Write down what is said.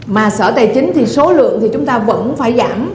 mà sở tài chính thì số lượng thì chúng ta vẫn phải giảm